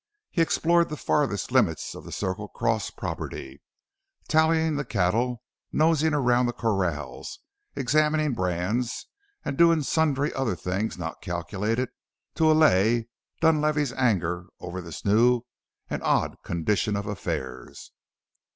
He explored the farthest limits of the Circle Cross property, tallying the cattle, nosing around the corrals, examining brands, and doing sundry other things not calculated to allay Dunlavey's anger over this new and odd condition of affairs.